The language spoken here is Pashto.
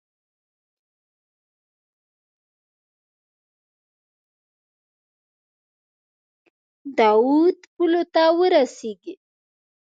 د اود پولو ته ورسیږي.